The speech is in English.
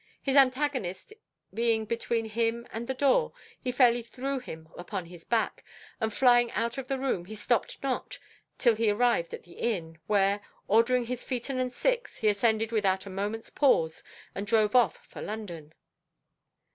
His antagonist being between him and the door, he fairly threw him upon his back, and flying out of the room he stopped not till he arrived at the inn, where, ordering his phaeton and six, he ascended without a moment's pause, and drove off for London.